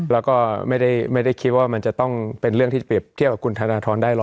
แล้วก็ไม่ได้คิดว่ามันจะต้องเป็นเรื่องที่เปรียบเทียบกับคุณธนทรได้หรอ